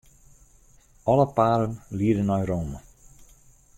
Alle paden liede nei Rome.